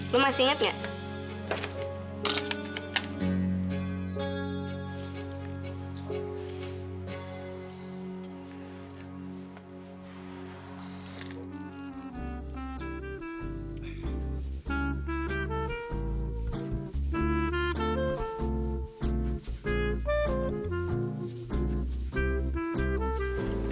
lu masih inget gak